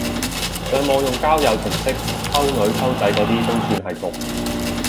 上網用交友程式溝女溝仔嗰啲都算係毒！